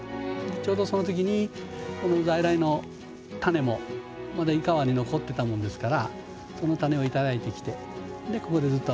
ちょうどその時にこの在来の種もまだ井川に残ってたもんですからその種を頂いてきてでここでずっと。